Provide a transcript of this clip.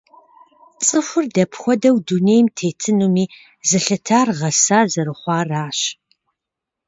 ЦӀыхур дапхуэдэу дунейм тетынуми зэлъытар гъэса зэрыхъуаращ.